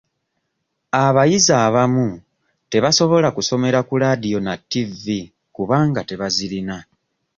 Abayizi abamu tebasobola kusomera ku ladiyo na ttivvi kubanga tebazirina.